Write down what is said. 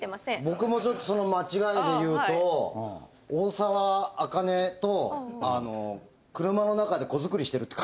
僕もちょっとその間違いでいうと大沢あかねと車の中で子作りしてるって書かれて。